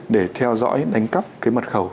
để theo dõi đánh cắp cái mật khẩu